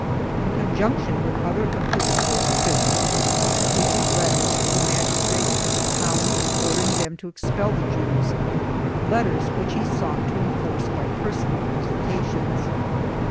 In conjunction with other episcopal officials he issued letters to the magistrates of the towns ordering them to expel the Jews — letters which he sought to enforce by personal visita tions.